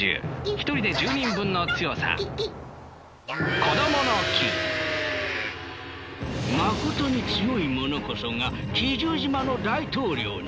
一人で１０人分の強さまことに強い者こそが奇獣島の大統領に。